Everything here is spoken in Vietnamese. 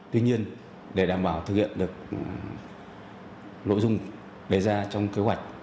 tuy nhiên để đảm bảo thực hiện được nội dung đề ra trong kế hoạch